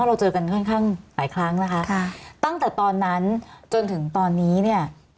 เราเจอกันค่อนข้างหลายครั้งนะคะค่ะตั้งแต่ตอนนั้นจนถึงตอนนี้เนี่ย